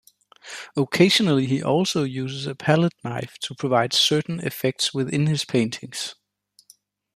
Occasionally he also uses a palette knife to provide certain effects within his paintings.